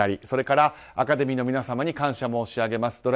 それから、アカデミーの皆様に感謝申し上げます。